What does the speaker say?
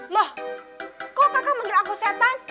lah kok kakak mengira aku setan